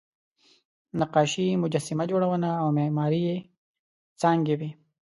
نقاشي، مجسمه جوړونه او معماري یې څانګې وې.